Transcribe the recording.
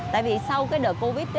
tại vì sau cái đợt covid